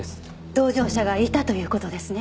同乗者がいたという事ですね。